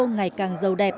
ngày càng giàu đẹp